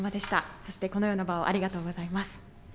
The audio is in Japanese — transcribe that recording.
そして、このような場をありがとうございます。